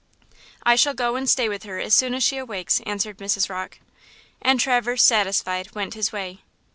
"I shall go and stay with her as soon as she awakes," answered Mrs. Rocke. And Traverse, satisfied, went his way.